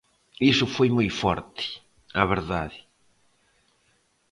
Iso foi moi forte, a verdade.